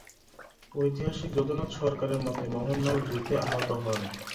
ঐতিহাসিক যদুনাথ সরকারের মতে মোহনলাল যুদ্ধে আহত হন।